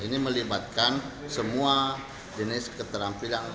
ini melibatkan semua jenis keterampilan